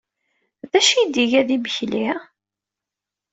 D acu ay d-iga d imekli?